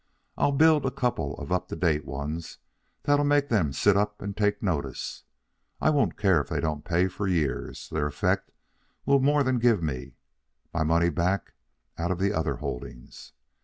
I'll build a couple of up to date ones that'll make them sit up and take notice. I won't care if they don't pay for years. Their effect will more than give me my money back out of the other holdings.